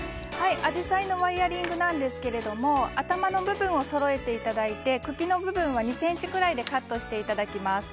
アジサイのワイヤリングですが頭の部分をそろえていただいて茎の部分は２ｃｍくらいでカットしていただきます。